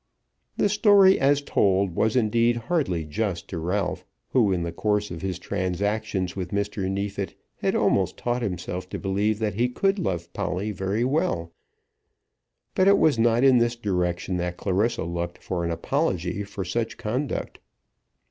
The story as told was indeed hardly just to Ralph, who in the course of his transactions with Mr. Neefit had almost taught himself to believe that he could love Polly very well; but it was not in this direction that Clarissa looked for an apology for such conduct.